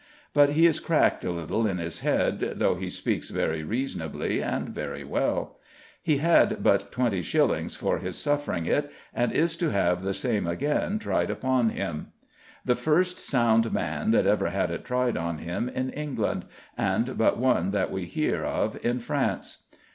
But he is cracked a little in his head, though he speaks very reasonably, and very well. He had but 20s. for his suffering it, and is to have the same again tried upon him; the first sound man that ever had it tried on him in England, and but one that we hear of in France.